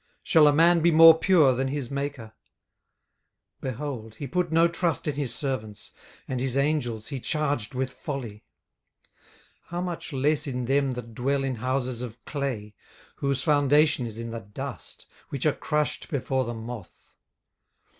shall a man be more pure than his maker? 18:004:018 Behold, he put no trust in his servants; and his angels he charged with folly: 18:004:019 How much less in them that dwell in houses of clay, whose foundation is in the dust, which are crushed before the moth?